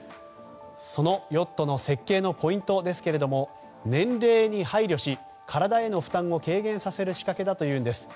そのヨットの設計のポイントは年齢に配慮し体への負担を軽減させる仕掛けだというんです。